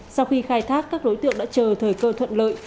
sau khi khai thác các đối tượng đã chờ thời cơ thuận lợi